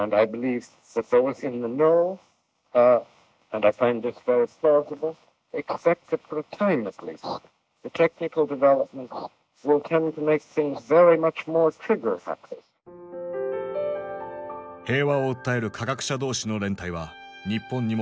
平和を訴える科学者同士の連帯は日本にも広がる。